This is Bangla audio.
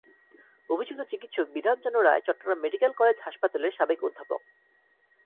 অভিযুক্ত চিকিৎসক বিধান চন্দ্র রায় চট্টগ্রাম মেডিকেল কলেজ হাসপাতালের সাবেক অধ্যাপক।